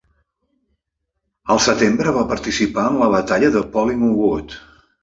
Al setembre va participar en la batalla de Polygon Wood.